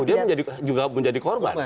dia juga menjadi korban